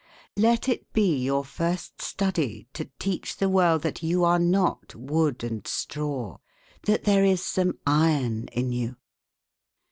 "Let it be your first study to teach the world that you are not wood and straw; that there is some iron in you."